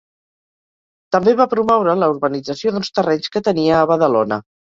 També va promoure la urbanització d'uns terrenys que tenia a Badalona.